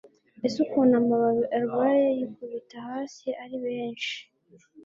ese ukuntu amababi arwaye yikubita hasi ari benshi